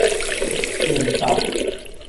𠕇 篤